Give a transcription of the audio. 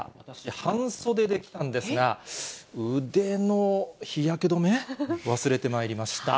半袖で来たんですが、腕の日焼け止め、忘れてまいりました。